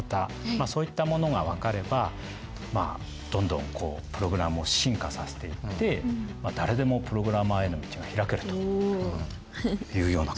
そういったものが分かればまあどんどんプログラムを進化させていって誰でもプログラマーへの道は開けるというようなことが。